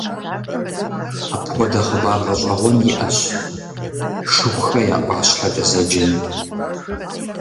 Апхуэдэу хъыбар гъэщӏэгъуэн иӏэщ «Шыхухэ я ӏуащхьэкӏэ» зэджэми.